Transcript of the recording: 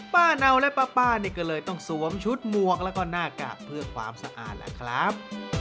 เนาและป้านี่ก็เลยต้องสวมชุดหมวกแล้วก็หน้ากากเพื่อความสะอาดแหละครับ